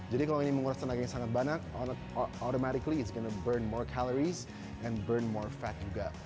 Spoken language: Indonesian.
jadi kalau ini menguras tenaga yang sangat banyak automatically it's gonna burn more calories and burn more fat juga